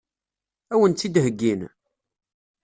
Ad wen-tt-id-heggin?